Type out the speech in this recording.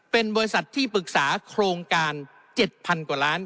เป็นบริษัทที่ปรึกษาโครงการ๗๐๐กว่าล้าน